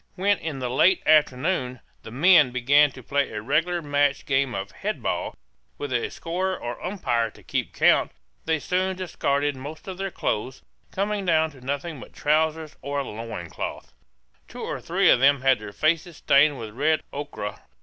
When in the late afternoon the men began to play a regular match game of head ball, with a scorer or umpire to keep count, they soon discarded most of their clothes, coming down to nothing but trousers or a loin cloth. Two or three of them had their faces stained with red ochre.